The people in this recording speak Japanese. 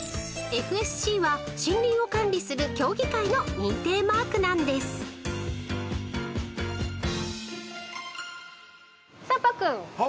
［ＦＳＣは森林を管理する協議会の認定マークなんです］さあパックン。